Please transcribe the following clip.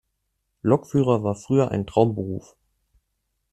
Lokführer war früher ein Traumberuf.